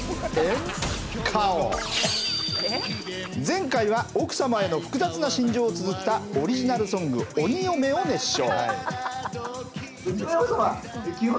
前回は奥様への複雑な心情をつづったオリジナルソング「鬼嫁」を熱唱。